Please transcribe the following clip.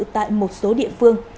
tại một số địa phương